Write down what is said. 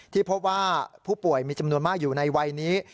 ที่พบว่าผู้ป่วยมีจำนวนมากอยู่ในวัยนี้